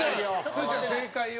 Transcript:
すずちゃん、正解を。